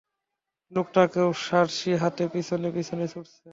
লোকটাও সাঁড়াশি হাতে পিছনে পিছনে ছুটছে।